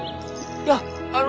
いやあの。